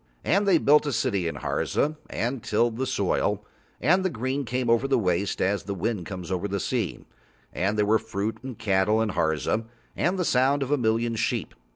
And they built a city in Harza and tilled the soil, and the green came over the waste as the wind comes over the sea, and there were fruit and cattle in Harza and the sounds of a million sheep.